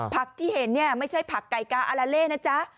ที่เห็นเนี่ยไม่ใช่ผักไก่กาอาลาเล่นะจ๊ะ